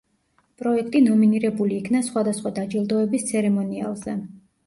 პროექტი ნომინირებული იქნა სხვადასხვა დაჯილდოების ცერემონიალზე.